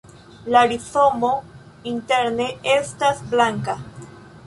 La rizomo interne estas blanka.